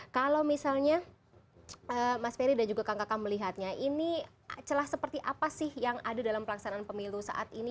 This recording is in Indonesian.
kalau misalnya mas ferry dan juga kang kaka melihatnya ini celah seperti apa sih yang ada dalam pelaksanaan pemilu saat ini